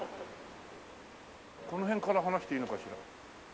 この辺から話していいのかしら。